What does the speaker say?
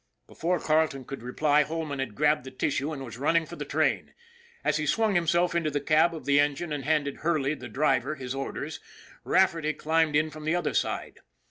Before Carleton could reply, Holman had grabbed the tissue and was running for the train. As he swung himself into the cab of the engine and handed Hurley, the driver, his orders, Rafferty climbed in from the other side.